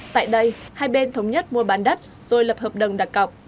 tại đây hai bên thống nhất mua bán đất rồi lập hợp đồng đặc cọc